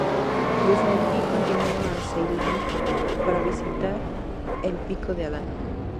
Desde allí, continuó a Ceilán para visitar el Pico de Adán.